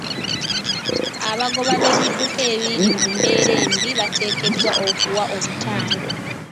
Abagoba b'ebidduka ebiri mu mbeera embi bateekeddwa okuwa omutango.